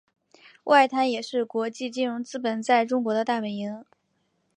外滩也是国际金融资本在中国的大本营。